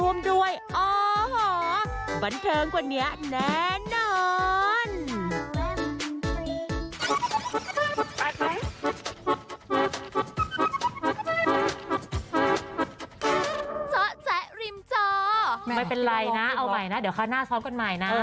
โอ้โหบรรเทิงกว่านี้แน่นอน